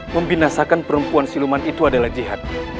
membinasakan perempuan siluman itu adalah jihad